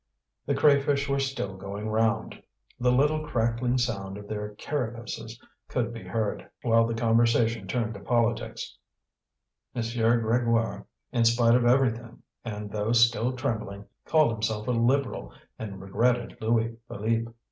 The crayfish were still going round; the little crackling sound of their carapaces could be heard, while the conversation turned to politics, M. Grégoire, in spite of everything and though still trembling, called himself a Liberal and regretted Louis Philippe.